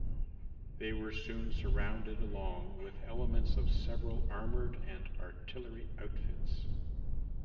They were soon surrounded along with elements of several armored and artillery outfits.